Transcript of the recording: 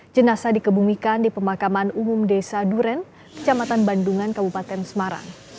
jenasa dikebumikan di pemakaman umum desa duren kecamatan bandungan kabupaten semarang